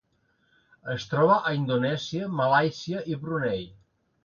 Es troba a Indonèsia, Malàisia i Brunei.